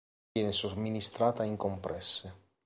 Viene somministrata in compresse.